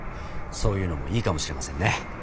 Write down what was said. そういうのもいいかもしれませんね。